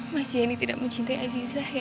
mas zaini tidak mencintai aziza ya